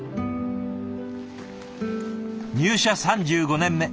入社３５年目。